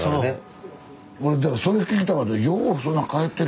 俺だからそれ聞きたかった。